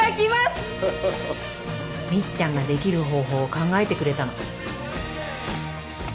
みっちゃんができる方法を考えてくれたの。